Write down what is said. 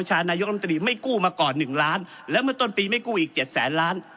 นายกรรมตรีไม่กู้มาก่อน๑ล้านแล้วเมื่อต้นปีไม่กู้อีกเจ็ดแสนล้าน